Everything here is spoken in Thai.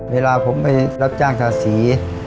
เวลาผมไปรับจ้างทาสี